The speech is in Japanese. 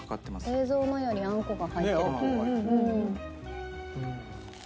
映像のよりあんこが入ってる。